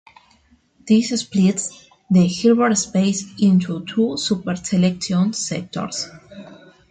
This splits the Hilbert space into two superselection sectors.